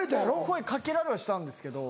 声掛けられはしたんですけど。